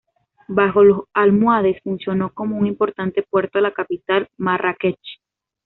Bajo los almohades funcionó como un importante puerto a la capital, Marrakech.